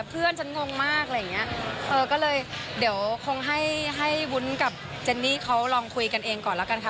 เพื่อนฉันงงมากอะไรอย่างเงี้ยเออก็เลยเดี๋ยวคงให้ให้วุ้นกับเจนนี่เขาลองคุยกันเองก่อนแล้วกันค่ะ